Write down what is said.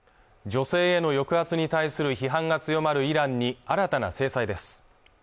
女性への抑圧に対する批判が強まるイランに新たな制裁です